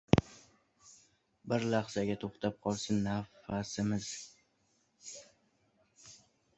Bir lahzaga to‘xtab qolsin nafasimiz